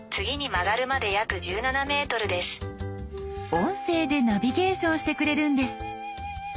音声でナビゲーションしてくれるんです。